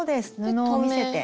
布を見せて。